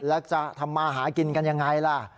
แล้วจะทำมาหากินกันยังไงล่ะ